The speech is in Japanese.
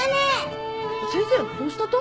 先生どうしたと？